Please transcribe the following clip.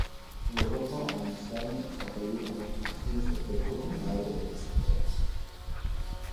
Il revint en Louisiane travailler dans l'entreprise de cotonnade de son père.